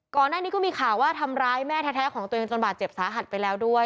ก่อนหน้านี้ก็มีข่าวว่าทำร้ายแม่แท้ของตัวเองจนบาดเจ็บสาหัสไปแล้วด้วย